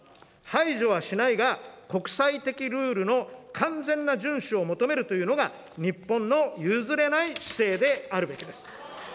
排除はしないが、国際的ルールの完全な順守を求めるというのが、日本の譲れない姿勢であるべきです。